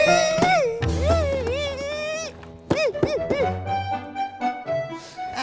kenapa kau gagal